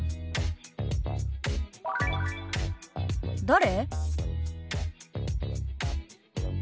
「誰？」。